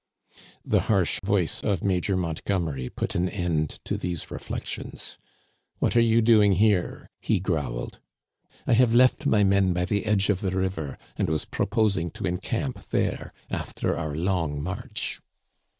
The harsh voice of Major Montgomery put an end to these reflections. " What are you doing here ?" he growled. "I have left my men by the edge of the river, and was proposing to encamp there after our long march."